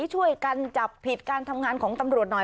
ช่วยกันจับผิดการทำงานของตำรวจหน่อย